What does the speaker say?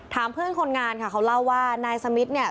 เพื่อนคนงานค่ะเขาเล่าว่านายสมิทเนี่ย